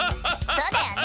そうだよね